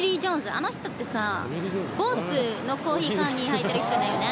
あの人ってさＢＯＳＳのコーヒー缶に入ってる人だよね？